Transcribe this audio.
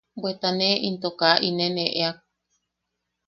Bweta ne into kaa inen eʼeak.